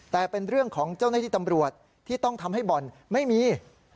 แต่เป็นเรื่องของเจ้าหน้าที่ตำรวจที่ต้องทำให้บ่อนไม่มี